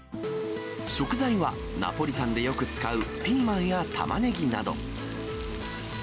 食材は、ナポリタンでよく使うピーマンやタマネギなど。